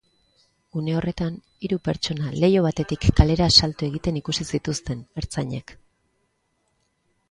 Une horretan, hiru pertsona leiho batetik kalera salto egiten ikusi zituzten ertzainek.